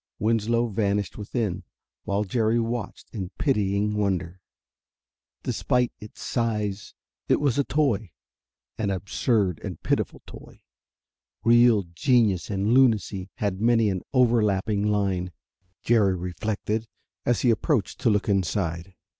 Winslow vanished within, while Jerry watched in pitying wonder. Despite its size, it was a toy, an absurd and pitiful toy. Real genius and lunacy had many an over lapping line, Jerry reflected as he approached to look inside.